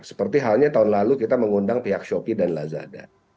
seperti halnya tahun lalu kita mengundang pihak shopee dan lazada